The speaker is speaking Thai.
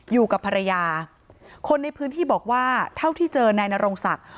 อยู่กับภรรยาคนในพื้นที่บอกว่าเท่าที่เจอนายนรงศักดิ์